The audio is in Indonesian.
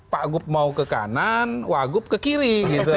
pak gup mau ke kanan wak gup ke kiri